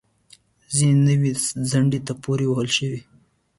ځینې نورې څنډې ته پورې وهل شوې